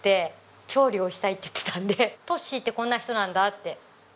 トッシーってこんな人なんだって。